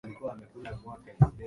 inajiandaa kuchukua hatua hizo